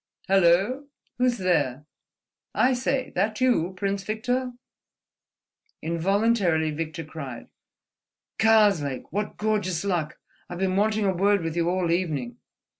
"Hello? Who's there? I say: that you, Prince Victor?" Involuntarily Victor cried: "Karslake!" "What gorgeous luck! I've been wanting a word with you all evening."